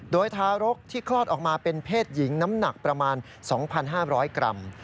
โดยทารกที่คลอดออกมาเป็นเพศหญิงน้ำหนักประมาณ๒๕๐๐กรัม